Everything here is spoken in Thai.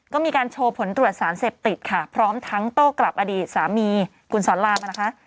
ก็มีการโชว์ผลตรวจสารเสพติดค่ะพร้อมทั้งโต้กลับอดีตสามีคุณสอนรามนะคะ